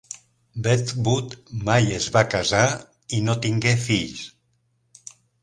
Wedgwood mai es va casar i no tingué fills.